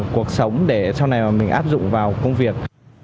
cuộc sống để sau này mình áp dụng vào công việc